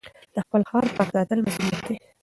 د خپل ښار پاک ساتل مسؤلیت دی.